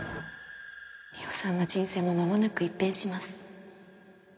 梨央さんの人生も間もなく一変します